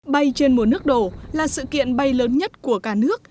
bay trên mùa nước đổ là sự kiện bay lớn nhất của cả nước